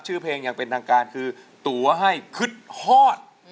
ชื่อเพลงอย่างเป็นทางการคือตัวให้คึดฮอด